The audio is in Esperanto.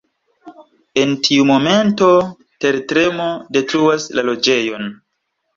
En tiu momento, tertremo detruas la loĝejon.